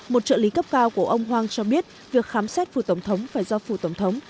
một trợ lý cấp cao của ông huang cho biết việc khám xét phủ tổng thống phải do phủ tổng thống